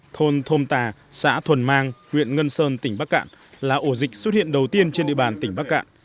thôn thôm tà xã thuần mang huyện ngân sơn tỉnh bắc cạn là ổ dịch xuất hiện đầu tiên trên địa bàn tỉnh bắc cạn